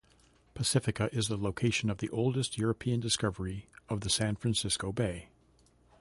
Pacifica is the location of the oldest European discovery of the San Francisco Bay.